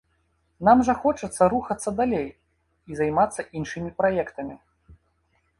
Нам жа хочацца рухацца далей і займацца іншымі праектамі.